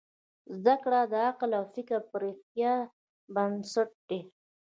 زدهکړه د عقل او فکر پراختیا بنسټ دی.